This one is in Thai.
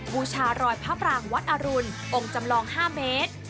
บูชารอยพระปรางวัดอรุณองค์จำลอง๕เมตร